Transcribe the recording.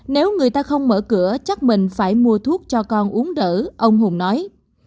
nếu người ta không mở cửa chắc mình phải mua thuốc cho con uống đỡ ông hùng nói